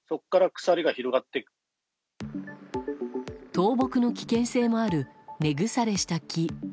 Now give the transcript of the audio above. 倒木の危険性もある根腐れした木。